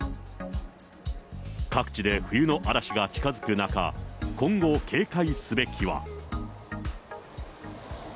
各地で冬の嵐が近づく中、今後、警戒すべきは。